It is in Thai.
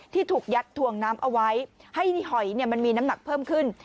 ถูกยัดถวงน้ำเอาไว้ให้หอยมันมีน้ำหนักเพิ่มขึ้น